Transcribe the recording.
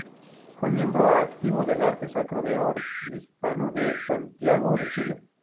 Fue miembro activo del Arte Sacro del Arzobispado de Santiago de Chile.